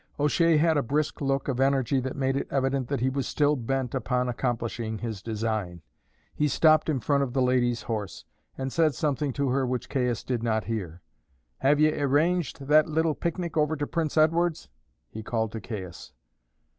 O'Shea had a brisk look of energy that made it evident that he was still bent upon accomplishing his design. He stopped in front of the lady's horse, and said something to her which Caius did not hear. "Have ye arranged that little picnic over to Prince Edward's," he called to Caius.